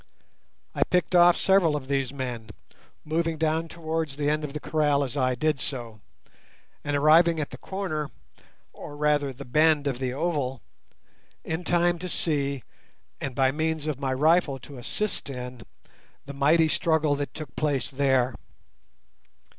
I picked off several of these men, moving down towards the end of the kraal as I did so, and arriving at the corner, or rather the bend of the oval, in time to see, and by means of my rifle to assist in, the mighty struggle that took place there.